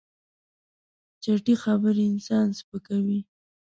چټي خبرې انسان سپکوي.